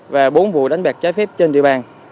và bốn vụ đánh bạc trái phép trên địa bàn